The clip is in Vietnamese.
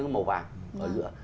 màu vàng ở giữa